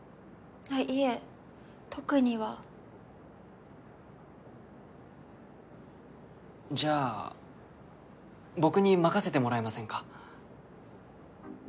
いえ特にはじゃあ僕に任せてもらえませんか？